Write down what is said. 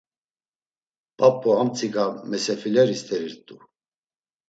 P̌ap̌u amtsika mesefileri st̆erirt̆u.